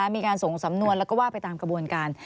มีการส่งสำนวนแล้วก็ว่าไปตามกระบวนการ